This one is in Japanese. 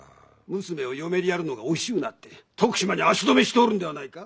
娘を嫁にやるのが惜しゅうなって徳島に足止めしておるんではないか？